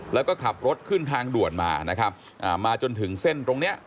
แล้วก็ขับรถขึ้นทางด่วนมานะครับอ่ามาจนถึงเส้นตรงเนี้ย